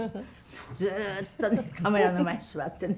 ずっとカメラの前に座ってるの。